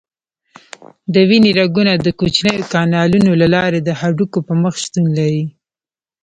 د وینې رګونه د کوچنیو کانالونو له لارې د هډوکو په مخ شتون لري.